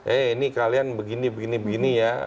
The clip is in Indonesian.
eh ini kalian begini begini ya